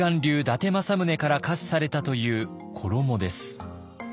伊達政宗から下賜されたという衣です。